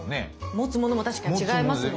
持つものも確かに違いますもんね。